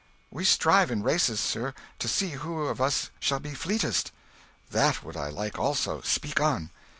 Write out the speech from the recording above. "We strive in races, sir, to see who of us shall be fleetest." "That would I like also. Speak on."